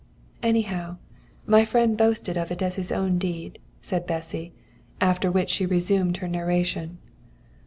"Anyhow, my friend boasted of it as his own deed," said Bessy; after which she resumed her narration.